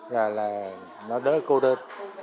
là nó đỡ cô đơn